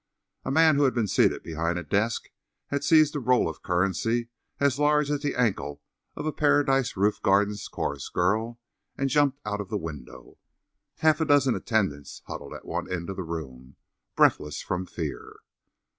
A man who had been seated behind a desk had seized a roll of currency as large as the ankle of a Paradise Roof Gardens chorus girl and jumped out of the window. Half a dozen attendants huddled at one end of the room, breathless from fear.